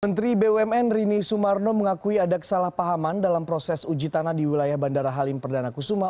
menteri bumn rini sumarno mengakui ada kesalahpahaman dalam proses uji tanah di wilayah bandara halim perdana kusuma